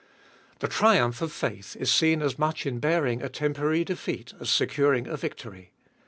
The triumph of faith is seen as much in bearing a temporary defeat as securing a victory.